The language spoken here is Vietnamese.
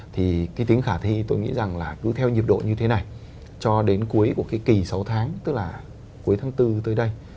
thì cái tính khả thi tôi nghĩ rằng là cứ theo nhịp độ như thế này cho đến cuối của cái kỳ sáu tháng tức là cuối tháng bốn tới đây